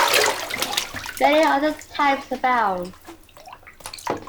Many other types abound.